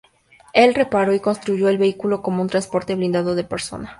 Él reparó y reconstruyó el vehículo como un transporte blindado de personal.